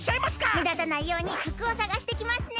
めだたないようにふくをさがしてきますね！